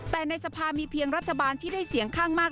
แต่ในสภามีเพียงรัฐบาลที่ได้เสียงข้างมาก